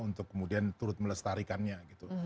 untuk kemudian turut melestarikannya gitu